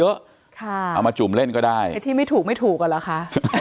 เอามาจุ่มเล่นก็ได้ไอ้ที่ไม่ถูกไม่ถูกอ่ะเหรอคะ